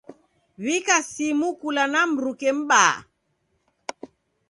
W'ika simu kula na mruke m'baa.